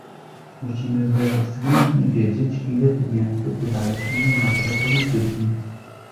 Musimy bezwzględnie wiedzieć, ile pieniędzy wydaliśmy na nasze polityki